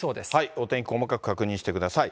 お天気細かく確認してください。